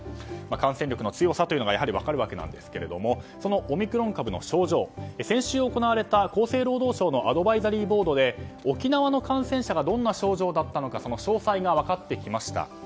感染力の強さが分かるわけなんですけどそのオミクロン株の症状先週行われた厚生労働省のアドバイザリーボードで沖縄の感染者がどんな症状だったのかその詳細が分かってきました。